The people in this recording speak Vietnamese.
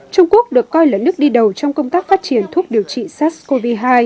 trung quốc được coi là nước đi đầu trong công tác phát triển thuốc điều trị sars cov hai